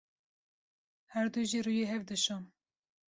Her du jî rûyê hev dişon.